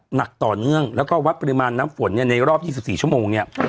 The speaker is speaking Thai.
หนักต่อเนื่องแล้วก็วัดปริมาณน้ำฝนเนี่ยในรอบ๒๔ชั่วโมงเนี่ย